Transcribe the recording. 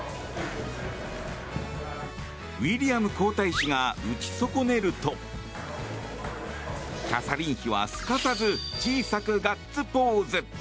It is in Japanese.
ウィリアム皇太子が打ち損ねるとキャサリン妃は、すかさず小さくガッツポーズ。